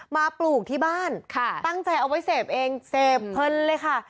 ปลูกที่บ้านตั้งใจเอาไว้เสพเองเสพเพลินเลยค่ะ